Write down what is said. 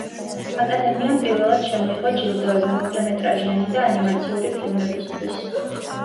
აკადემიამ პირველად შემოიღო ჯილდოები მოკლემეტრაჟიანი და ანიმაციური ფილმებისთვის.